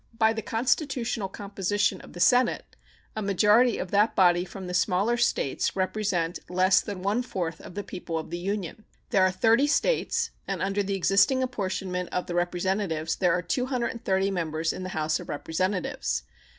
By the constitutional composition of the Senate a majority of that body from the smaller States represent less than one fourth of the people of the Union. There are thirty States, and under the existing apportionment of Representatives there are 230 Members in the House of Representatives.